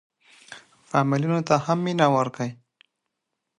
کورنۍ د ټولنې بنسټیزه برخه ده.